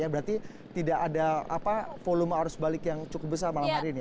berarti tidak ada volume arus balik yang cukup besar malam hari ini